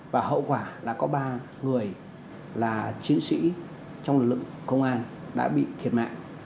và hậu quả là có ba người là chiến sĩ trong lực lượng công an đã bị thiệt mạng